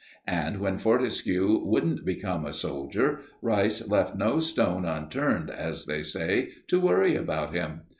And when Fortescue wouldn't become a soldier, Rice left no stone unturned, as they say, to worry him about it.